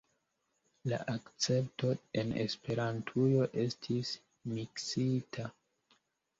La akcepto en Esperantujo estis… miksita.